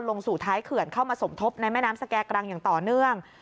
ลงสู่ท้ายเขื่อนเข้ามาสมทบในแม่น้ำสแก่กรังอย่างต่อเนื่อง